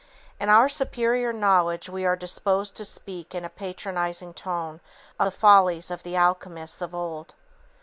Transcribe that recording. In our superior knowledge we are disposed to speak in a patronizing tone of the follies of the alchemists of old.